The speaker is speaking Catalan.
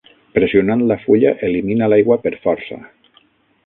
Pressionant la fulla elimina l'aigua per força.